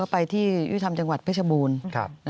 ไปที่ยุทธรรมจังหวัดเพชรบูรณ์